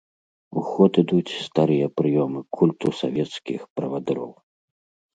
У ход ідуць старыя прыёмы культу савецкіх правадыроў.